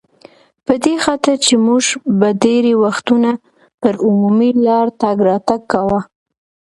په دې خاطر چې موږ به ډېری وختونه پر عمومي لار تګ راتګ کاوه.